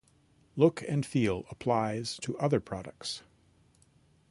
Look and feel applies to other products.